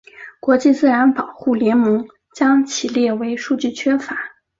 国际自然保护联盟将其列为数据缺乏。